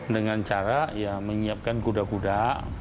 dengan cara ya menyiapkan kuda kuda